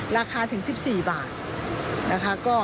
ราคาถึง๑๔บาท